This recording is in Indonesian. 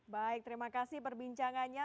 baik terima kasih perbincangannya